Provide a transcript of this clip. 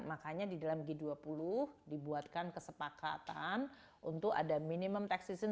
makanya di dalam g dua puluh dibuatkan kesepakatan untuk ada minimum taxation